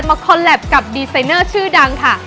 คอนแลปกับดีไซเนอร์ชื่อดังค่ะ